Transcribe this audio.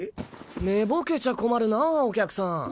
寝ボケちゃ困るなァお客さん。